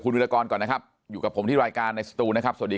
วิรากรก่อนนะครับอยู่กับผมที่รายการในสตูนะครับสวัสดี